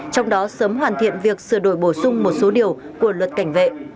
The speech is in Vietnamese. trong đó sớm hoàn thiện việc sửa đổi bổ sung một số điều của luật cảnh vệ